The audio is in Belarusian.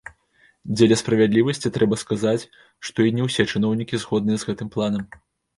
Дзеля справядлівасці трэба сказаць, што і не ўсе чыноўнікі згодныя з гэтым планам.